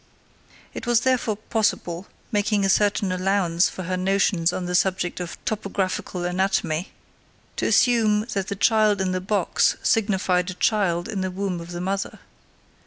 It was therefore possible, making a certain allowance for her notions on the subject of topographical anatomy, to assume that the child in the box signified a child in the womb of the mother.